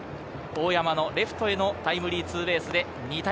大山のレフトへのタイムリーツーベースで２対０。